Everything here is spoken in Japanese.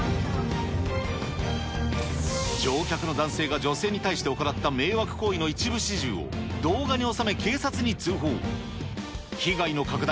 乗客の男性が女性に対して行った迷惑行為の一部始終を、動画に収め、警察に通報。